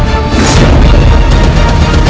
kumis kita sudah lugi